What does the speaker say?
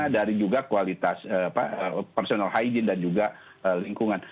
dari juga kualitas personal hygiene dan juga lingkungan